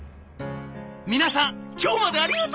「皆さん今日までありがとう！